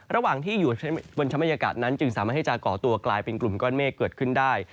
ระหว่างที่อยู่บนชะบรรยากาศนั้นจึงสามารถที่จะก่อตัวกลายเป็นกลุ่มก้อนเมฆเกิดขึ้นได้